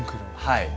はい。